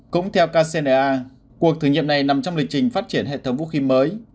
cũng theo kcna cuộc thử nghiệm này nằm trong lịch trình phát triển hệ thống vũ khí mới